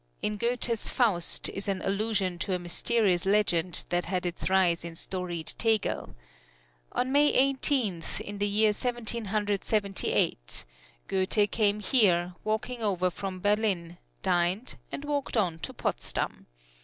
In Goethe's "Faust" is an allusion to a mysterious legend that had its rise in storied Tegel. On May Eighteenth, in the year Seventeen Hundred Seventy eight. Goethe came here, walking over from Berlin, dined, and walked on to Potsdam.